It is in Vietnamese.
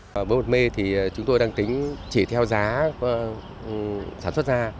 với một m thì chúng tôi đang tính chỉ theo giá sản xuất ra